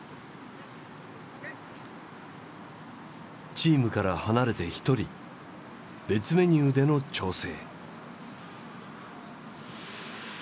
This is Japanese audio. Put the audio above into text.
チームから離れて一人別メニューでの調整。